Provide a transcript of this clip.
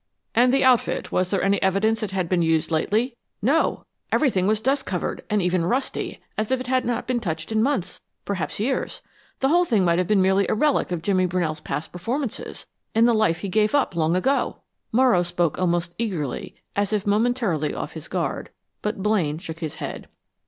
"And the outfit was there any evidence it had been used lately?" "No everything was dust covered, and even rusty, as if it had not even been touched in months, perhaps years. The whole thing might be merely a relic of Jimmy Brunell's past performances, in the life he gave up long ago." Morrow spoke almost eagerly, as if momentarily off his guard, but Blaine shook his head.